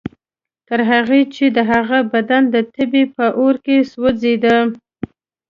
تر هغې چې د هغه بدن د تبې په اور کې سوځېده.